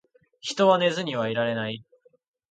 人は寝ずにはいられない